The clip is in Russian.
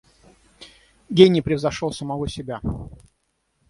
Гений превзошел самого себя.